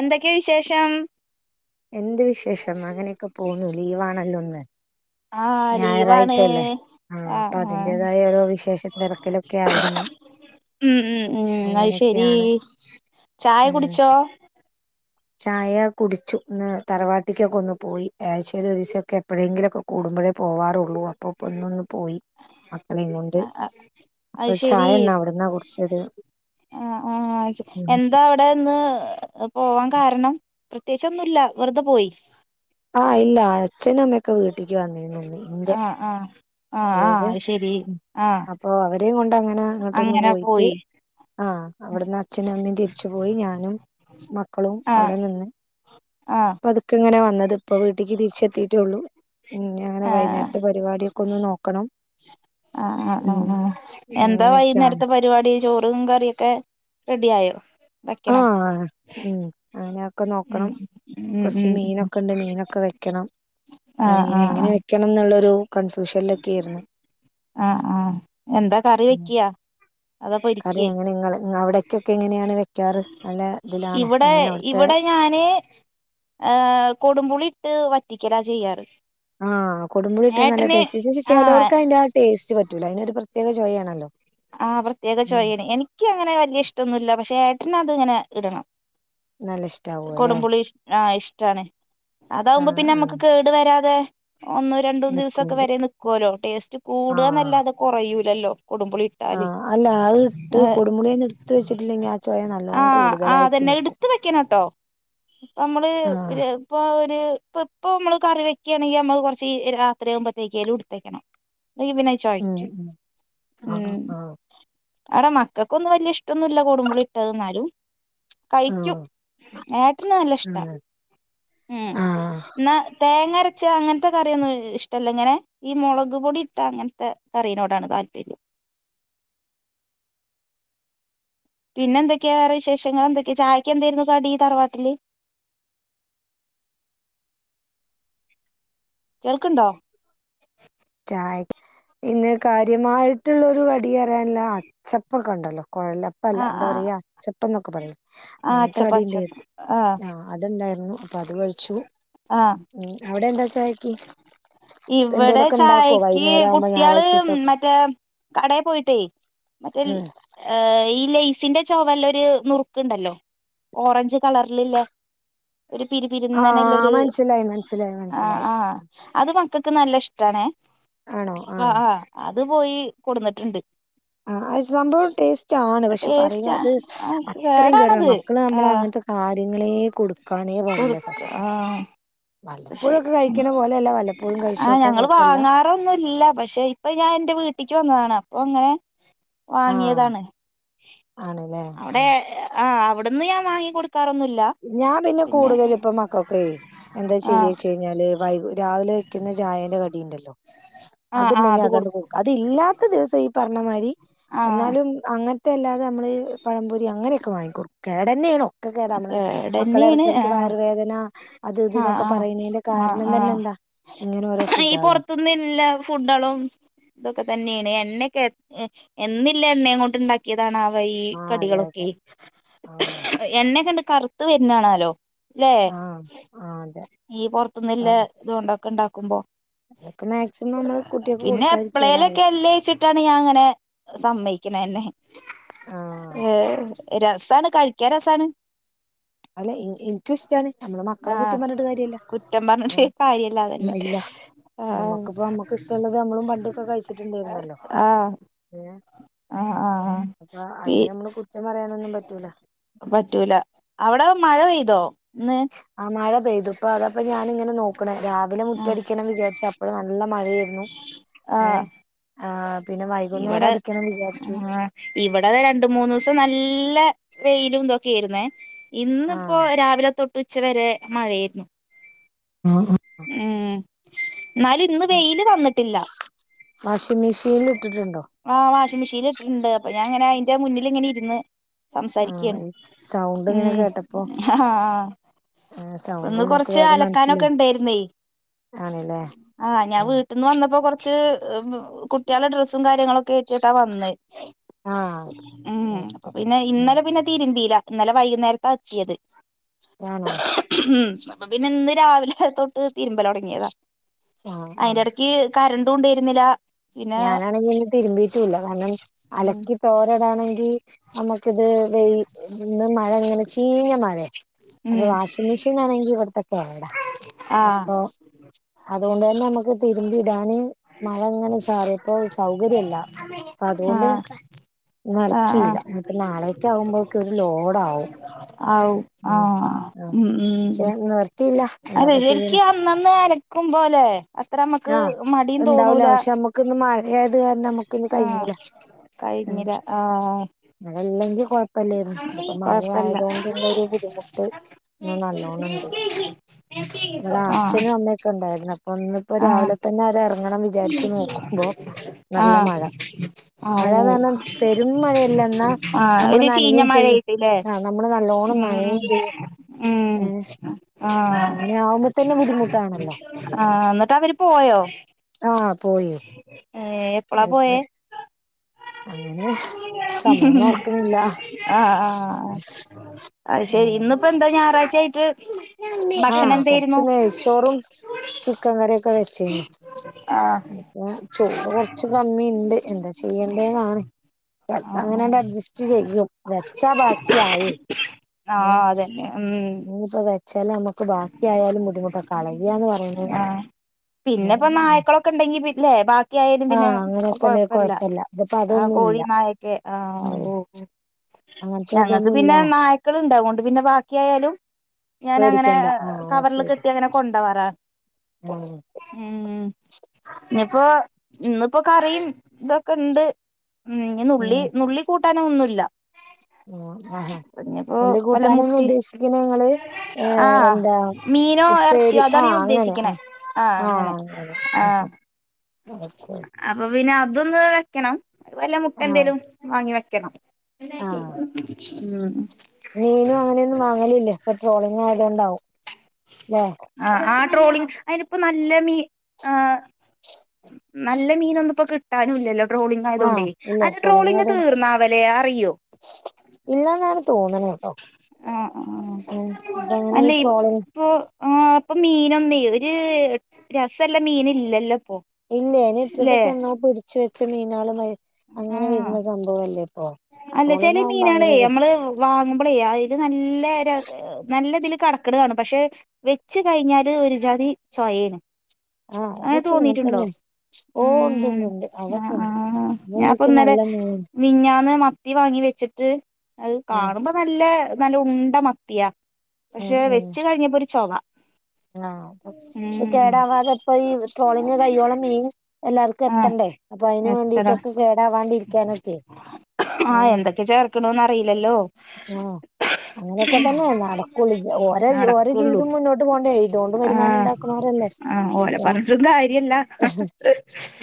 എന്തൊക്കെ വിശേഷം എന്ത് വിശേഷം അങ്ങനെയൊക്കെ പോന്നു ലീവാണല്ലോന്ന് ആഹ് ലീവാണ് ആഹ് അപ്പൊ അതിന്റേതായ ഓരോ വിശേഷം തിരക്കലൊക്കെ ആയിരുന്നു ഉം ഉം ഉം അഹ് ശരി അങ്ങനെയൊക്കെയാണ് ചായ ഉം കുടിച്ചോ ചായ കുടിച്ചു ഇന്ന് തറവാട്ടിക്കൊക്കെ ഒന്ന് പോയി ആശ്ശ ഒരീസൊക്കെ എപ്പോഴെങ്കിലുക്കെ കൂടുമ്പഴേ പോവാറുള്ളൂ അപ്പൊ ഇപ്പോ ഒന്നൊന്ന് പോയി മക്കളങ്ങൊണ്ട് അത് അപ്പൊ ശരി ചായ എന്നാ അവിടുന്നാ കുട്ച്ചത് അഹ് ആഹ് ശേ എന്താ ടെന്ന് പോവാൻ കാരണം പ്രത്യേകിച് ഒന്നുല്ല വെറുതെ പോയി ആഹ് ഇല്ല അച്ഛനും അമ്മയൊക്കെ വീട്ടിക്ക് വന്നേ നോന്നി ആഹ് ആഹ് ആഹ് ആഹ് അതെതെ അത് ശരി ആഹ് അപ്പൊ അവരെ കൊണ്ട് അങ്ങനെ അങ്ങോട്ടൊന്ന് അങ്ങനെ പോയിട്ട് പോയി ആഹ് അവിടുന്ന് അച്ഛനും അമ്മയും തിരിച്ചു പോയി ഞാനും മക്കളും ആഹ് അവിടെ നിന്ന് ആഹ് ത്ത് ങ്ങനെ വന്നത് ഇപ്പ വീട്ടീക്ക് തിരിച്ചെത്തിട്ടുള്ളൂ അങ്ങനെ ആഹ് വൈനേരത്തെ പരിപാടിയൊക്കെ ഒന്ന് നോ ക്കണം ആഹ് ആഹ് ആഹ് ആഹ് എന്താ അങ്ങനെയൊക്കെയാണ് വൈകുന്നേരത്തെ പര് രുവാടി ചോറും കറിയൊക്കെ റെഡി ആയോ വെക്കണം ആഹ് ഉം ഉ അങ്ങനെ ക്കെ ഉം നോക്കണം ഉം കുറച്ച് ഉം മീനൊക്കെ ഉണ്ട് മീനൊക്കെ വെക്കണം എഹ് ആഹ് മീന് ആഹ് എങ്ങനെ ആഹ് ക്ക്യണംന്നുള്ളരു കൺഫ്യൂഷനിലൊക്കെ ആയിരുന്നു ആഹ് ആഹ് എന്താ കറി ഉം. വെക്ക്യാ അതൊ കറി പൊരിക്കേ എങ്ങനെ നിങ്ങള് അവിടക്കൊക്കെ എങ്ങനെയാണ് വെക്കാറ് നല്ല ഇതിലാണോ ഇവിടെ എങ്ങനെ അവിടുത്തെ ഇവിടെ ഞാന് ഏഹ് കൊടുമ്പുളി ഇട്ട് വറ്റിക്കല ചെയ്യാറ് ആഹ് കൊടുമ്പുളിട്ടാ നല്ല ഏട്ടന് ടസ് ഷേ ആഹ് ചെലോർക്ക് അയ്ന്റെ ടേസ്റ്റ് പറ്റൂല അതിനൊരു പ്രത്യേക ചോയയാ ആണല്ലോ ആഹ് പ്രത്യേക ചോയേണ് എനിക്ക് അങ്ങനെ വല്യ ഇഷ്ടൊന്നുല്ല പക്ഷെ ഏട്ടന് അത്ങ്ങനെ ഇടണം നല്ല ഇഷ്ടാവും അല്ലെ കൊടുപുളി ആഹ് ഇഷ്ടാണ് അതാവുമ്പോ ആഹ് പിന്നെ ആഹ് നമ്മുക്ക് കേടു വരാതെ ഒന്നും രണ്ടൂന്ന് ദിവസംക്കെ നിക്കൂല വരെ നിക്കോല്ലോ ടേസ്റ്റ് ആഹ് കൂടുഅന്നല്ലാതത് കുറയൂലല്ലോ കൊടുമ്പോളി ആഹ് അല്ല അഹ് ഇട്ട് കൊടുപൂളിയന്ന് എടുത്ത് വെച്ചിട്ടില്ലെങ്കിൽ ആഹ് ചോയ നല്ലോ കൂടുതലായി തന്നെ എടുത്ത് വെക്കണട്ടോ പമ്മള് ഒരു ആഹ് ഇപ്പൊ ഒരു ഇപ്പ ഇപ്പ മ്മള് കറി വെക്കണെങ്കി നമ്മൾ കുറച്ച് രാത്രിയാഉമ്പത്തേക്ക് എലുടുത്തേക്കണം അല്ലെ പിന്നെഹ് ഉം ചോയ്കും ഉം ആഹ് ഉം ആഹ് അടെ മക്കക്കൊന്നും വല്യ ഇഷ്ടൊന്നുല്ല കൂടുമ്പൊളി ഇട്ടത് ന്നാലും കഴിക്കും ആഹ് ഏട്ടന് നല്ല ഇഷ്ട അങ്ങനെ ഉം ആഹ് എന്നാ തേങ്ങരച്ച അങ്ങൻത്തെ കറിയൊന്നും ഇഷ്ടല്ല ഇങ്ങനെ ഈ മുളക് പൊടി ഇട്ട അങ്ങൻത്തെ കറീനോടാണ് താല്പര്യം പിന്നെ എന്തൊക്കെ വേറെ വിശേഷങ്ങൾ എന്തൊക്കെ ചായക്ക് എന്തായിരുന്നു കടി തറവാട്ടില് കേൾക്ണ്ടോ ചായ ഇന്ന് കാര്യമായിട്ടുള്ളരു കടി പറയാനില്ല അച്ചപ്പൊക്കെണ്ടല്ലോ കുഴലപ്പ പ്പല്ല ആഹ് എന്താ ആഹ് പറയാ അച്ചപ്പം ന്നൊക്കെ പറിലെ ആഹ് അങ്ങൻത്തെ അച്ചപ്പ അച്ചപ്പ കടിണ്ടേര്ന്നു ആഹ് അത്ണ്ടായിരുന്നു ഉം പ്പ അത് കഴിച്ചു ആഹ് ഉം അവിടെ എന്താ ചായക്ക് ഇവിടെ എന്തേലൊ ചായക്ക് കുട്ടിള് മറ്റേ കടേ പോയിട്ടേ മറ്റേൽ ഉം ഏഹ് ഈ ലെയ്സിന്റെ ചൊവല്ല ഒരു നുറുക്ക് ണ്ടല്ലോ ഓറഞ്ച് കളറ്ല് ല്ലേ ഒരു പിരി ആഹ് പിരുന്നന്നല്ലരു മനസ്സിലായി മനസ്സിലായി ആഹ് മനസ്സിലായി ആഹ് അത് മക്കൾക്ക് നല്ല ഇഷ്ടണേ അപ്പൊ ആഹ് അത് പോയി കൊടുന്നിട്ടുണ്ട് ആഹ് അഹ് സംഭവം ടേസ്റ്റ് ആണ് പക്ഷെ പറയ ടേസ്റ്റാ അത് ആഹ് അത്രയും കേടണം കേടാണത് മക്കള് നമ്മള ആഹ് അങ്ങനത്തെ കാര്യങ്ങളെ കൊടു കൊടുക്ക ആഹ് പക്ഷെ വല്ലപ്പോഴൊക്കെ കഴിക്കണ പോലെയല്ല വല്ലപ്പോഴും ആഹ് കഴിച്ചോട്ടെ ഞങ്ങള് കൊഴപ്പല്ല വാങ്ങാറൊന്നും ല്ല പക്ഷെ അപ്പൊ ഞാൻ എന്റെ വീട്ടിലക്ക് വന്നതാണ് അപ്പൊ അങ്ങനെ ആഹ് വാങ്ങിയതാണ് ആണ്ല്ലേ അവിടെ ആഹ് ആഹ് അവിടുന്ന് ഞാൻ കൊടുക്കാറൊന്നുല്ല ഞാൻ പിന്നെ കൂടുതൽ ഇപ്പ മക്കളൊക്കെ എന്താ ആ ചെയ്യെച്ച കഴിഞ്ഞാല് വൈ രാവിലെ വെക്കുന്ന ചായ കടിണ്ടല്ലോ ആ അത് ആ ണ്ടെങ്കിൽ അത് അങ് കൊടുക്കും കുട്ടി അതില്ലാത്ത ദിവസം ഈ പറഞ്ഞമാതിരി ആ എന്നാലും അങ്ങ ല്ലാതെ നമ്മള് പഴം പൊരി അങ്ങനെയൊക്കെ വാങ്ങിക്കും കേടു ന്നാണ് ഒക്കെ [unintelligible] മക്കള കേടന്നെയാണ് ആ ഇടക്കിടക്ക് വയർവേദന അത് ഇതന്നൊക്കെ ആ പറയുന്നതിന്റെ ആ കാരണം ആ ആ തന്നെ എന്താ ഇങ്ങനെ രോ ഫു ഈ പുറത്ത്ന്നു ഇല്ല ഫുഡ്ളും ഇതൊക്കെ തന്നെയാണ് എണ്ണയക്കെ എന്നില്ല എണ്ണ അങ്ങോട്ട് ഇണ്ടാക് യതണ വ ഈ ആ അതെ അതെ കടികളൊക്കെ ആ എണ്ണയ കണ്ട് കറുത്ത് വരുന്നാണല്ലോ ഇല്ലേ ആ ആ അതെ ഈ പൊറത്തന്നല്ല അതെ ഇതുകൊണ്ടൊക്കെ ഇണ്ടാക്കുമ്പോ അതൊക്കെ മാക്സിമം നമ്മള് കുട്ടിയൊക്കെ കൊടുക്കാതിരിക്കുവ രാവിലെ [unintelligible] ക്കാണ് ഞാൻ അങ്ങനെ സമ്മയിക്കുന്നത് ആ ഏ രസണ് കഴി കേ രസണ് അല്ല എ- എനിക്കും ഇഷ്ടാണ് നമ്മള് മക്കളെ ആഹ് കുറ്റം പറഞ്ഞിട്ട് കാര്യല്ല കുറ്റം പറഞ്ഞിട്ട കാര്യല്ലാതന്നെ ഇല്ല ആഹ് നമ്മുക്കിപ്പോ നമ്മുക്ക് ഇഷ്ടമുള്ളത് നമ്മളും പണ്ടൊക്കെ കഴിച്ചിട്ടുണ്ടായിരുന്നല്ലോ ആഹ് ഏ ആഹ് ആഹ് അപ്പൊ പി അയില് നമ്മള് കുറ്റം പറയാനൊന്നും പറ്റൂല പറ്റൂല അവിടെ മഴ പെയ്തോ ഇന്ന് ആ മഴ പെയ്തു ഇപ്പ അതാപ്പ ഞാനിങ്ങനെ നോ ക്കണേ രാവിലെ ആഹ് മുറ്റടിക്കണം വിചാരിച്ചു അപ്പഴ് നല്ല മഴയായിരുന്നു ആഹ് ഏഹ് ആഹ് പിന്നെ വൈകുന്നേരം അടിക്കണം വിചാരിച്ചു ഇവിട രണ്ട് മൂന്ന് ദിവസം നല്ല വെയിലും ഇതൊക്കെയായിരുന്നേ ആ ഇന്നിപ്പോ രാവിലെ തൊട്ടുച്ച വരെ മഴയായിരുന്നു ആഹ് ഉം ഇന്നാല് വാഷിംഗ് മെഷീനില് ഇട്ടിട്ടുണ്ടോ ആഹ് വാഷിംഗ് മെഷീൻ ഇട്ട്ണ്ട് അപ്പൊ ഞാൻ ഇങ്ങനെ അയിന്റെ മുന്നിൽ ഇങ്ങനെ ഇര്ന്ന് ആ സംസാരിക്കയാണ് സൗണ്ട് ഇങ്ങനെ ഉം കേട്ടപ്പോ ആഹ് സൗണ്ട് അന്ന് നമുക്ക് കൊറച്ച് വേഗം അലക്കാനൊക്കെ മനസ്സിലായി ഉണ്ടായിരുന്നേ ആണല്ലേ ആഹ് [unintelligible] വന്നപ്പോ കൊറച്ച് ഏഹ് കുട്ടികളെ ഡ്രസ്സ് ട്ട് ഞങ്ങള് കേറ്റീട്ടാ വന്നെ ആ ഉം പിന്നെ ഇന്നലെ പിന്നെ തീരുമ്പീലാ ഇന്നലെ വൈകുന്നേരത്ത അത്തിയത് ആണോ ഉം അപ്പൊ പിന്നെ ഇന്ന് രാവിലെ തോട്ട് തിരുമ്പല് തൊടങ്ങിയതാ ആ ആ അയിന്റെ എടക്ക് കരണ്ട് കൊണ്ട് വരുന്നില്ല ഞാനാണെങ്കി ഇന്ന് തിരുമ്പീട്ടു ഇല്ല കാരണം അലക്കി തോരടാണെങ്കി നമുക്കിത് വെയി ഇന്ന് മഴ ഇങ്ങനെ ചീഞ്ഞ മഴ അപ്പ ഉം വാഷിംഗ് മിഷീനാണെങ്കി ഇവിടത്തെ കേടാ ആഹ് അപ്പൊ അതുകൊണ്ട് തന്നെ നമുക്ക് തിരുമ്പി ഇടാനും മഴ ഇങ്ങനെ ച് ചാറിയപ്പോ സൗകര്യ ഇല്ല അപ്പ അതുകൊണ്ട് ആഹ് ഇന്ന് ആഹ് അലക്കിയില്ല ഇനിയിപ്പോ നാളേക്ക് ആകുമ്പോഴേക്ക് ഒരു ലോഡാവും ആഹ് [inaudible] ആവും ഉം ആഹ് ഉം ഉം പക്ഷെ നിവർത്തിയില്ല അതെ എന്താപ്പ എനിക്ക് ചെയ്യണേ അന്നന്ന് അലക്കുംമ്പോലെ അത്ര അമുക്ക് മടി ണ്ടാവുല്ല പക്ഷെ നമ്മുക്കിന്ന് മഴയായത് കാരണം നമ്മുക്കിന്ന് ആഹ് കഴിഞ്ഞില്ല കഴിഞ്ഞില്ല ആഹ് അതല്ലെങ്കി കൊഴപ്പ ഇല്ലായിരുന്നു ഇതിപ്പോ മഴ കൊഴപ്പല്ല ആയതുകൊണ്ടുള്ളൊരു ബുദ്ധിമുട്ട് ഇന്ന് നല്ലോണൊണ്ട് ഇവിടെ ആഹ് അച്ഛനും അമ്മേ ക്കൊണ്ടായിരുന്നു അപ്പൊ ഇന്നിപ്പോ രാവിലെ തന്നെ അവര് ഏറങ്ങണം വിചാരിച്ചു നോ ആഹ് ആഹ് ഊ മഴന്ന് പറഞ്ഞാ പെരും മഴയല്ല എന്നാ ആഹ് നമ്മള് ഒരു നനയും ചെയ്യും ചീഞ്ഞമഴയായിട്ടില്ലേ ആഹ് നമ്മള് നല്ലോണം ഉം നനയും ചെയ്യും ഉം ഏഹ് ഉം ആഹ് അങ്ങനെ ആവുമ്പോ തന്നെ ബുദ്ധിമുട്ടാണല്ലോ ആഹ് എന്ന് ട്ടവര് പോയോ ഏഹ് എളുപ്പേ സമയൊന്നും മ്മ്ഹ് ഓർക്കണില്ല ആഹ് ആഹ് അത് ശെരി ഇന്നിപ്പോ എന്താ ഞായറാഴ്ച്ച ആയിട്ട് ഭക്ഷണം ആഹ് എന്തായിരുന്നു കൊറച്ച് നെയ്ച്ചോറും ചിക്കൻ കറിയൊക്കെ വെച്ചേനു ആഹ് ഇപ്പം ചോറ് കൊറച്ച് കമ്മിയുണ്ട് എന്താ ചെയ്യേണ്ടേന്നാണ് ചെൽപോ ആഹ് അങ്ങനാണ്ട് അഡ്ജസ്റ്റ് ചെയ്യും വച്ചാ ബാക്കി ആയേ ഉം ആഹ് അതന്നെ ഉം ഇനിയിപ്പോ വെ ച്ചല് അമ്മക്ക് ബാക്കി ആയാലും ബുദ്ധിമുട്ടാ കളയാന്ന് പറയണെ [unintelligible] ക്കുണ്ടെങ്കി പിന്നെ ബാക് ക്കിയായാലും പിന്നെ അങ്ങനെയൊക്കെ ഉണ്ടെങ്കിൽ കൊഴപ്പല്ല ഇതിപ്പോ ആ അതൊന്നും കോഴി ഇല്ല നായൊക്കെ ആഹ് ഉം ഓ ഓ അങ്ങനത്തെ ഞങ്ങക്ക് ഇതൊന്നും ഇല്ല പിന്നെ നായ്ക്കളുണ്ട് അതുകൊണ്ട് പിന്നെ ബാക്കിയായാലും ഞാനങ്ങനെ പേടിക്കണ്ട ആഹ് കവറില് കെട്ടി അങ്ങനെ കൊണ്ടവറാ ഉം ഉം ഇഞ്ഞിപ്പോ ഇന്നിപ്പോ കറിയും ഇതൊക്കെ ഇണ്ട് ഉം നുള്ളി ഉം നുള്ളി കൂട്ടാനൊന്നുല്ല ഉം ആഹ് ഇനിയിപ്പോ നുള്ളി വല്ല കൂട്ടാന് മുട്ടി ഉദ്ദേശിക്കുന്ന ഞങ്ങള് ഏ ആഹ് എന്താ മീനോ ഇറച്ചിയോ ഉപ്പേരി അതാണ് ആഹ് ഞാൻ അങ്ങനെ ഉദ്ദേശിക്കണേ ആഹ് ആഹ് അങ്ങനെ ആഹ് ഓക്കെ അപ്പൊ പിന്നെ അതൊന്ന് വെക്കണം വല്ല മുട്ട ആഹ് എന്തേലും വാങ്ങി വെക്കണം ആഹ് ഉം മീനും അങ്ങനെയൊന്നും വാങ്ങലില്ലേ ഇപ്പൊ ട്രോളിങ് ആയതൊണ്ടാവും അല്ലെ ആഹ് ആ ട്രോളിങ് അതിനിപ്പോ നല്ല മീ ആഹ് നല്ല മീനൊന്നും ഇപ്പോ കിട്ടാനും ഇല്ലല്ലോ ട്രോളിംങ് ആയത് കൊണ്ടേ ആഹ് ഇല്ല അല്ല ട്രോളിങ് ആയതുകൊണ്ട് തീർന്നാവലേ അറിയോ ഇല്ലന്നാണ് തോന്നുന്നത് കേട്ടോ ആഹ് ഉം ഇപ്പ ആഹ് അങ്ങനെ ഈ അല്ലെ ട്രോളിങ് ഇപ്പൊ ആഹ് ഇപ്പൊ മീനൊന്നും ഒരു രസല്ല മീനൊന്നും ഇല്ലല്ലോ ഇപ്പൊ ഇല്ല ഇനി ല്ലേ ഇട്ടിട്ടൊക്കെ എന്നാ പിടച്ച് വെച്ച മീനാള് അങ്ങനെ ആഹ് വരുന്ന സംഭവല്ലേ ഇപ്പൊ അല്ല ചെല ട്രോളിങ് ആകുമ്പോ മീനെള് അങ്ങനെ നമ്മള് വാങ്ങുമ്പോളെ അത് നല്ല നല്ല ഇതിൽ കട കടക്ക്ണാണ പക്ഷെ വെച്ച് കഴിഞ്ഞാല് ഒരു ജാതി ചോയെണ് ആഹ് അങ്ങനെ അതൊക്കെ ഇങ്ങനെ തോന്നിട്ടുണ്ടോ? തന്നെ ഓ ഉണ്ട് ഉം ഉണ്ട് ഉണ്ട് ആഹ് അതൊക്കെ ഉണ്ട് ആഹ് ഞാപ്പൊ അതൊക്കെ ഇന്നലെ നല്ല മീൻ മിനിഞ്ഞാന്ന് മത്തി വാങ്ങി വെച്ചിട്ട് അത് ആഹ് കാണുമ്പോ നല്ല നല്ല ഉണ്ട മത്തിയാ ഉം പക്ഷെ ഉം വെച്ച് കഴിഞ്ഞപ്പോ ഒരു ചൊവ ആഹ് പക്ഷെ ഉം കേടാവാതെ ഇപ്പൊ ഈ ട്രോളിങ് കയ്യോളം മീൻ എല്ലാർക്കും ആഹ് എത്തണ്ടേ അപ്പൊ അതിനന് എത്ര വേണ്ടിട്ടൊക്കെ കേടാവാണ്ടി ഇരിക്കാനൊക്കെ ആഹ് എന്തൊക്കെ ചേർക്കണന്ന് അറിയില്ലല്ലോ ആഹ് അങ്ങനെയൊക്കെ തന്നെ നടക്കുള്ളൂ ഓരോ ഓരോ നടകൊള്ളൂ ജീവിതം മുന്നോട്ട് പോണ്ടേ ഇതോണ്ട് വരുമാനം ആഹ് ഉണ്ടാക്കണോരല്ലേ ആഹ് ഓല പറഞ്ഞിട്ടും കാര്യല്ല ഹ്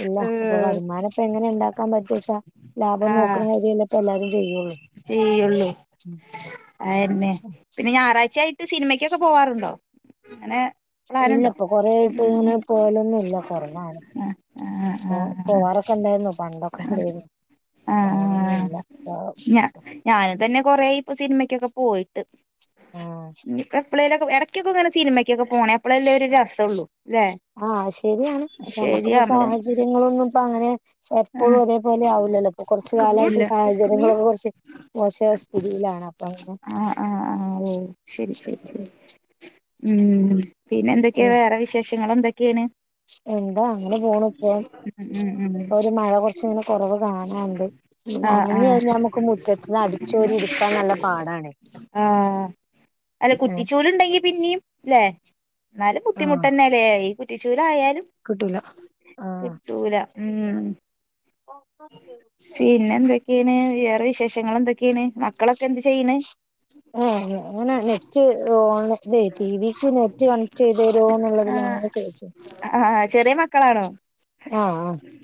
ഇല്ല അപ്പൊ വരുമാനം ഇപ്പ എങ്ങനെ ഉണ്ടാക്കാൻ പറ്റച്ചാ ലാഭം നോക്കണ കാര്യല്ല ഇപ്പ എല്ലാരും ചെയ്യള്ളൂ ചെയ്യോള്ളൂ അയന്നെ പിന്നെ ഞായറാഴ്ച ആയിട്ട് സിനിമക്കൊക്കെ പോവാറുണ്ടോ അങ്ങനെ ഇല്ല പ്ലാനുണ്ടോ ഇപ്പൊ കൊറേ ആയിട്ട് ഇങ്ങനെ ഉം പോവലൊന്നും ഇല്ല കൊറവാണ് ആഹ് ആഹ് ഇപ്പ ആഹ് പോവാറൊക്കെ ഉണ്ടായിരുന്നു പണ്ടൊക്കെ ഉണ്ടായിരുന്നു ഇപ്പൊ അങ്ങനെയൊന്നും ആഹ് ഇല്ല ഞ ഞാന് തന്നെ കൊറേ ഇപ്പ സിനിമക്കൊക്കെ പോയിട്ട് ആഹ് ഞ് എപ്പളെലൊക്ക ഇടക്കൊക്കെ ഇങ്ങനെ സിനിമക്കൊക്കെ പോണേ അപ്പളല്ലേ ഒരു രസള്ളൂ അല്ലേ ശരി ഇപ്പ സാഹചര്യങ്ങളൊന്നും ഇപ്പ അങ്ങനെ എപ്പോഴും ഒരേ പോലെ ആവില്ലല്ലോ ഇപ്പോ കുറച്ച് ആഹ് ഇല്ല കാലമായിട്ട് സാഹചര്യങ്ങളൊക്കെ കുറച്ച് മോശ സ്ഥിതിയിലാണ് അപ്പൊ അങ്ങനെ ആഹ് ആഹ് ആഹ് ശരി ശരി ശരി ഉം പിന്നെ ഉം എന്തൊക്കെണ് വേറെ വിശേഷങ്ങൾ എന്തൊക്കെണ് എന്താ അങ്ങനെ പോണ് ഇപ്പം ഉം ഉം ഉം ഒരു മഴ കുറച്ച് ഇങ്ങനെ കുറവ് കാണാണ്ട് ആഹ് നനഞ്ഞു ആഹ് കഴിഞ്ഞാൽ നമുക്ക് മുറ്റത്ത് അടിച്ചോരി എട്ക്കാൻ നല്ല പാടാണ് ആഹ് അല്ല ഏഹ് കുറ്റിച്ചൂലുണ്ടെങ്കി പിന്നിം ല്ലേ എന്നാലും ബുദ്ധിമുട്ട് തന്നെല്ലേ ഈ കുറ്റിച്ചൂലായാലും കിട്ടുല ആഹ് കിട്ടുല ഉം പിന്നെ എന്തൊക്കെ ക്കെയാണ് വേറെ വിശേഷങ്ങൾ എന്തൊക്കെയാണ് മക്കളൊക്കെ എന്ത് ചെയ്യണ് ആഹ് ഞങ്ങനെ നെറ്റ് ഓണ് അതെ ടി വിക്ക് നെറ്റ് കണക്ട് ചെയ്ത് തരോ എന്നുള്ളതിൽ ആഹ് അങ്ങനെ ചോയിച്ചണ് ആഹ് ചെറിയ മക്കളാണോ ആഹ്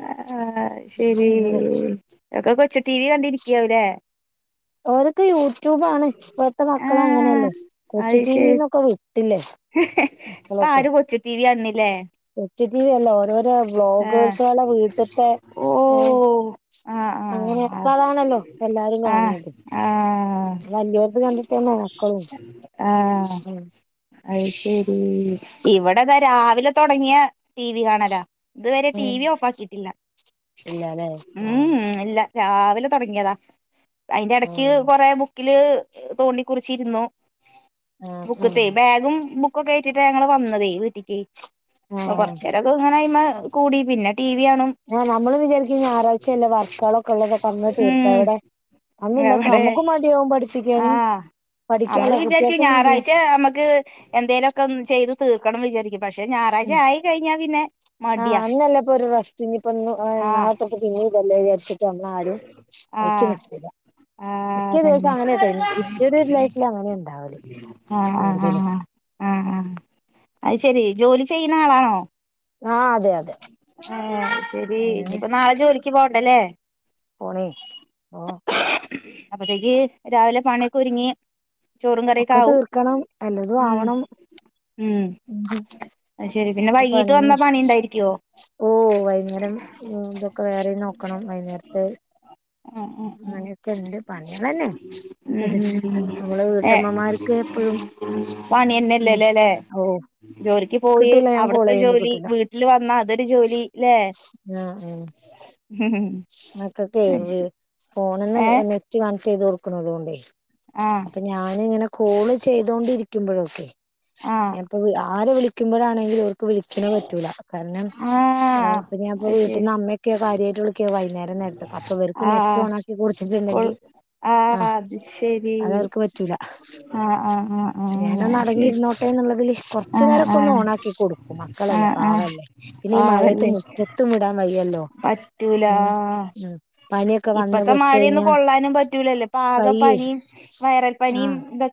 ആഹ് ആഹ് ശരി അങ്ങനെ ഒക്കെ കൊച്ചു ടി വി കണ്ടിരിക്കവല്ലേ ഓരൊക്കെ യൂട്യൂബാണ് ഇപ്പഴത്തെ ആഹ് മക്കളങ്ങനെല്ലേ. കൊച്ചി അത് ശരി ടിവിന്നൊക്കെ വിട്ടില്ലേ ഇപ്പ മക്കളൊക്കെ ആര് കൊച്ചു ടി വി കാണിനല്ലേ കൊച്ചു ടീവി അല്ല ഓരോരോ ആഹ് ബ്ലോഗേഴ്സെള വീട്ടത്തെ ഏ ഓഹ് ആഹ് ആഹ് അങ്ങനെപ്പതാണല്ലോ എല്ലാരും ആഹ് കാണത് ആഹ് വല്ലോല്ത് കണ്ട് ന്ന മക്കള ആഹ് അഹ് ശരി ഇവിടെതാ രാവിലെ തൊടങ്ങിയ ടി വി കാണലാ ഇതുവരെ ടി ഉം വി ഓഫാക്കിട്ടില്ല ഉം അല്ല രാവിലെ തൊടങ്ങിയതാ അഴിന്റെ ഇടക്ക് ഉം കൊറെ ബുക്ക്‌ ക്കില് തോണ്ടി കുറിച്ചിരുന്നു ബുക്ക്തേ ഉം ബാഗും ബുക്കൊക്റ്റിട്ട ഞങ്ങള് വന്നതേ വീട്ടിക്ക് അപ്പ ആഹ് കൊറചെരൊക്കെ ഇങ്ങനെ അയിമ. കൂടി പിന്നെ ടി വി ആണും ആ നമ്മള് വിചാരിക്ക ഞ്ഞാറാ ഴ്ചയല്ലേ വർക്കളൊക്കെ ഉള്ളതൊ പറഞ്ഞ തീർത്താ ഉം എവിടെ അന്ന് ഇന്നത്തെ നമക്കും മാണ്ടിയ പഠിച്ച ആ നമ്മള് വിചാരിക്കും മടിയാ ഞായറാഴ്ച്ച ഞമക്ക് എന്തേലുംക്കെ ചെയ്ത് തീർക്കണംന്ന് വിചാരിക്കുന്നു പക്ഷെ ഞായറാഴ്ച ഉം ആയി കഴിഞ്ഞാ പിന്നെ ആഹ് മടിയാ ആഹ് പിന്നെ ഇതെല്ലാം വിചാരിച്ചിട്ട് നമ്മളരും ആഹ് അഴട്ടില്ല ആഹ് മിക്ക.. അതന്നെ കേട്ടോ ന്റൊരുലൈഫിൽ അങ്ങനെ ഉണ്ടാവല് കൂടുതലും ആഹ ആ അത് ശരി ജോലി ചെയ്യുന്ന ആളാണോ? ആഹ് അതെ യതെ. ആ ശെരി ഇനിപ്പോ നാളെ ജോലിക്ക് പോവണ്ടലേ പോണേ പൊ അപ്പത്തേക്ക് രാവിലെ പണിക്കെ ഒരുങ്ങി. ചോറും കറിക്കെ ഒക്കെ ആവും തീർക്കണം എല്ലതും ഉം ആവണം അഹ് ശരി പിന്നെ പ്പൊ വൈകീട്ട് പണിയെന്നെ വന്നാ പണി ഇണ്ടായിരിക്കുവോ ഓ വൈന്നേരം ഇതൊക്കെ വേറിംനോക്കണം വൈന്നേര്ത്ത്. ഉ ഉ ഉം ക്കെണ്ട് പണിളെന്നെ ഉം ഉം നമ്മള് വീട്ടമ്മമാർക്ക് എപ്പഴും പണിന്നെല്ലെല്ലലേ ജോലിക്ക് പോയി കിട്ടൂല ഞാൻ കോൾ അവിട്ത്തെ ചെയ്യുമ്പോ ജോലി കിട്ടൂല വീ ട്ടില് വന്നാ അതൊരു ജോലി ല്ലേ മക്കക്കെ ഫോൺന്ന് ഏഹ് നെറ്റ് കണക്ട്യ്ത് കൊടുക്കുന്നതൊണ്ടേ ആഹ് അപ്പഞാനിങ്ങനെ കോള് ചെയ്തോണ്ടിരിക്കുമ്പോഴൊക്കെ ആഹ് അപ്പ ആരെ വിളിക്കുമ്പോഴാണെങ്കിലെ ഇപ്പൊ വിളിക്ക്‌ണ പറ്റൂല കാരണം ആഹ് ഞൻപ്പം അത് ശെരി വീട്ടന്ന് അമ്മക്കെ കാര്യയിട്ട് ക്ക വൈന്നേരംനേരത്തൊക്കെ അപ്പ ഇവർക്ക് നെറ്റ് ആഹ് ഓണക്കി കൊൾ കൊടുത്തിട്ടുണ്ടെങ്കി ആഹ് അത്ശരി പറ്റൂല ഞാനൊന്ന് അടങ്ങിയിരുന്നോട്ടെ എന്നുള്ളതില് കൊർച് ആഹ് നേരക്കെന്ന് ആഹ് ഓണാക്കികൊടു ക്കും മക്കളല്ലേ ആഹ് ആഹ് പാവല്ലേ പിന്നെ ഈ മഴയത്ത് പാവല്ലേ മുറ്റത്തും വിടാൻ വയ്യല്ലോ റ്റൂലാ ഉം ഉം പനിയൊക്കെ വന്ന് ഇപ്പത്തെ പെട്ട് മഴന്നും കഴിഞ്ഞാ കൊള്ളാനും പറ്റൂലല്ലൊ ഇപ്പാക വയ്യേ പനിയും വൈറൽ പനിയും ആഹ് തൊ